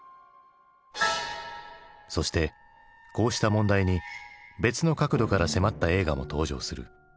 そしてこうした問題に別の角度から迫った映画も登場する。